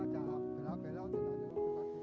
bukan ada belakang belakang